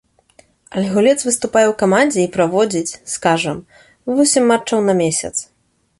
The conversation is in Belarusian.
Але гулец выступае ў камандзе і праводзіць, скажам, восем матчаў на месяц.